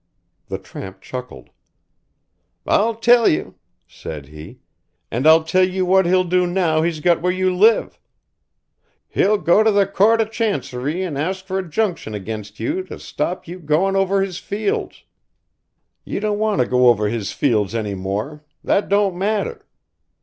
The tramp chuckled. "I'll tell you," said he, "and I'll tell you what he'll do now he's got where you live. He'll go to the Co't o' Charncery and arsk for a 'junction against you to stop you goin' over his fields. You don't want to go over his fields any more, that don't matter.